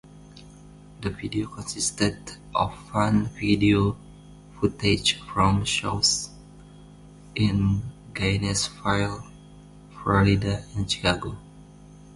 The video consisted of fan video footage from shows in Gainesville, Florida and Chicago.